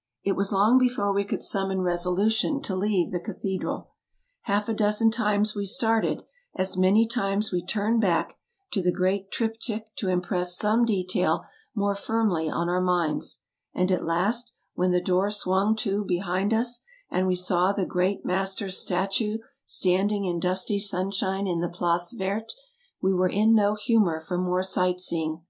'' It was long before we could summon resolution to leave the cathedral. Haifa dozen times we started, as many times we turned back to the great triptych to impress some detail more firmly on our minds ; and at last, when the door swung to behind us, and we saw the great master's statue standing in dusty sunshine in the Place Verte, we were in no humor for more sight seeing.